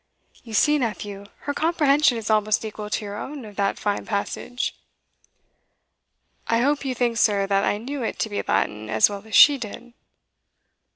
"You see, nephew, her comprehension is almost equal to your own of that fine passage." "I hope you think, sir, that I knew it to be Latin as well as she did?"